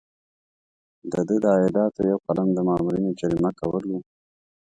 د ده د عایداتو یو قلم د مامورینو جریمه کول وو.